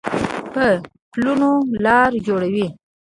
په پلونو لار جوړوي